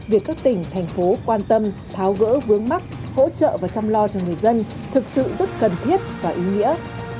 việc các tỉnh thành phố quan tâm tháo gỡ vướng mắt hỗ trợ và chăm lo cho người dân thực sự rất cần thiết và ý nghĩa